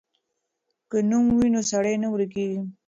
که نوم وي نو سړی نه ورکېږي.